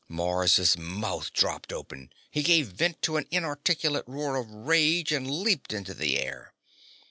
Mars' mouth dropped open. He gave vent to an inarticulate roar of rage and leaped into the air.